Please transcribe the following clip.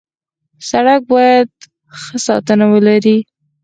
سړک باید ښه ساتنه ولري.